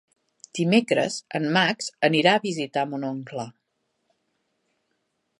Dimecres en Max anirà a visitar mon oncle.